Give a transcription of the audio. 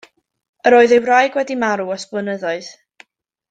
Yr oedd ei wraig wedi marw ers blynyddoedd.